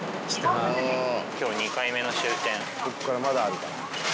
今日２回目の終点。